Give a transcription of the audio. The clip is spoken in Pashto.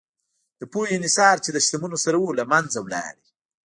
د پوهې انحصار چې له شتمنو سره و، له منځه لاړ.